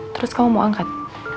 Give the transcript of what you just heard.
terus kamu mau angkat